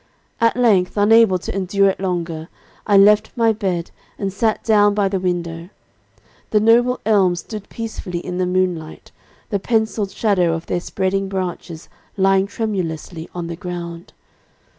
At length, unable to endure it longer I left my bed, and sat down by the window. The noble elms stood peacefully in the moonlight, the penciled shadow of their spreading branches lying tremulously on the ground.